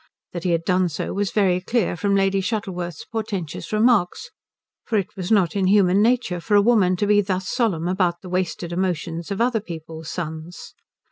That he had done so was very clear from Lady Shuttleworth's portentous remarks, for it was not in human nature for a woman to be thus solemn about the wasted emotions of other people's sons.